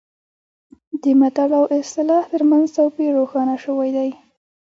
د متل او اصطلاح ترمنځ توپیر روښانه شوی دی